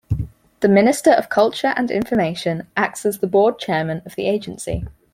The minister of culture and information acts as the board chairman of the agency.